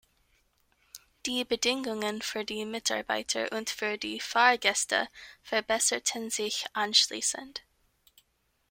Die Bedingungen für die Mitarbeiter und für die Fahrgäste verbesserten sich anschließend.